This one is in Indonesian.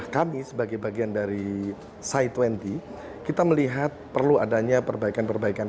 kami sebagai bagian dari saitwenti kita melihat perlu adanya perbaikan perbaikan